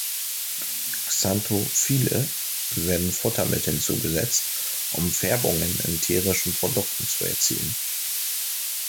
Xanthophylle werden Futtermitteln zugesetzt, um Färbungen in tierischen Produkten zu erzielen.